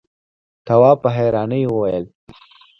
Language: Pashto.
تواب په حيرانۍ وويل: